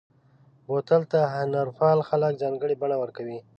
بوتل ته هنرپال خلک ځانګړې بڼه ورکوي.